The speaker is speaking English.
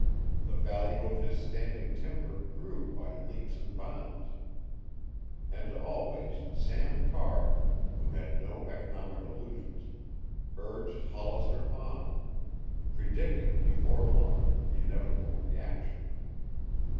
The value of his standing timber grew by leaps and bounds. And always Sam Carr, who had no economic illusions, urged Hollister on, predicting before long the inevitable reaction.